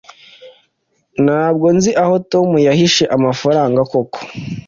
ntabwo nzi aho tom yahishe amafaranga koko.